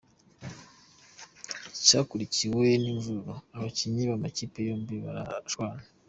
Cyakurikiwe n’imvururu, abakinnyi b’amakipe yombi barashwana.